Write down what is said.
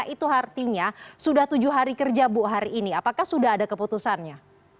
itu artinya sudah tujuh hari kerja bu hari ini apakah sudah ada keputusannya